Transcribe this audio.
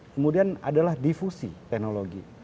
kemudian adalah difusi teknologi